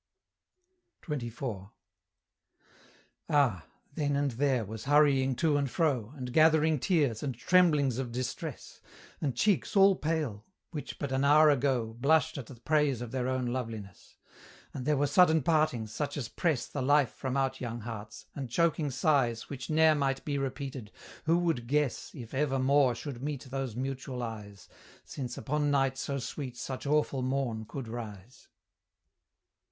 XXIV. Ah! then and there was hurrying to and fro, And gathering tears, and tremblings of distress, And cheeks all pale, which but an hour ago Blushed at the praise of their own loveliness; And there were sudden partings, such as press The life from out young hearts, and choking sighs Which ne'er might be repeated: who would guess If ever more should meet those mutual eyes, Since upon night so sweet such awful morn could rise!